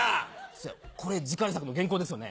そやこれ次回作の原稿ですよね？